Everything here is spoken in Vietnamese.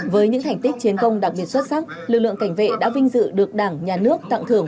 với những thành tích chiến công đặc biệt xuất sắc lực lượng cảnh vệ đã vinh dự được đảng nhà nước tặng thưởng